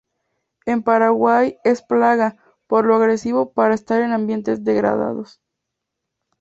En Paraguay es plaga por lo agresivo para estar en ambientes degradados.